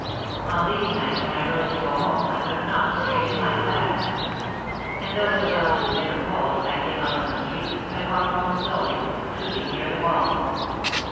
On these nights when I rose to go home I could not straighten my back. And though it was often bitter cold when I came out on the street I walked home slowly, keeping near the wall.